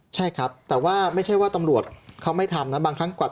ใช่ครับแต่ว่าไม่ใช่ว่าตำรวจเขาไม่ทำนะบางครั้งกวัก